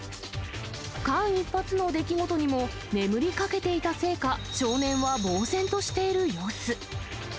間一髪の出来事にも、眠りかけていたせいか、少年はぼう然としている様子。